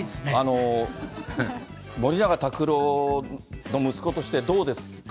森永卓郎の息子として、どうですか？